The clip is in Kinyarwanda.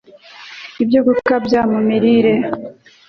ibyo gukabya mu mirire